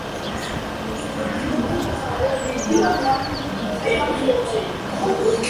დამიანე თავისი დროის დიდი მხატვარი იყო.